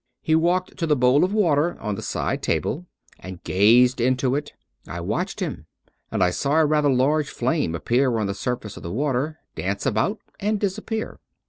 He walked to the bowl of water on the side table, and gazed into it. I watched him ; and I saw a rather large flame appear on the surface of the water, dance about, and disappear.